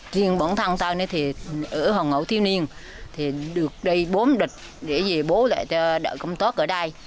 riêng bản thân ta thì ở hồng hậu thiếu niên thì được đầy bốm đất để bố lại đạo công tốt ở đây